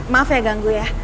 maaf ya ganggu ya